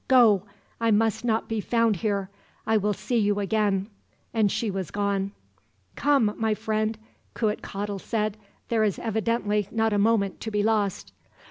Go! I must not be found here. I will see you again," and she was gone. "Come, my friend," Cuitcatl said; "there is evidently not a moment to be lost."